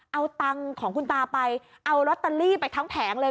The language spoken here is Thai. เอาตังค์ของคุณตาไปเอาลอตเตอรี่ไปทั้งแผงเลย